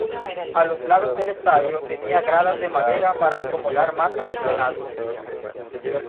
A los lados el estadio tenía gradas de madera para acomodar más aficionados.